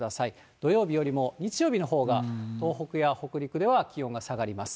土曜日よりも日曜日のほうが、東北や北陸では気温が下がります。